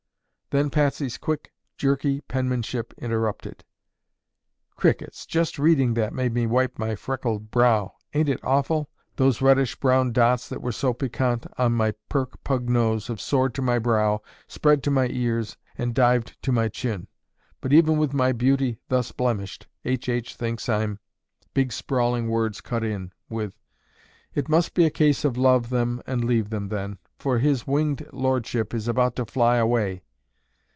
Then Patsy's quick, jerky penmanship interrupted. "Crickets, just reading that made me wipe my freckled brow. Ain't it awful? Those reddish brown dots that were so piquant on my pert pug nose have soared to my brow, spread to my ears, and dived to my chin. But, even with my beauty thus blemished, H. H. thinks I'm—" Big sprawling words cut in with, "It must be a case of love them and leave them then, for his winged lordship is about to fly away."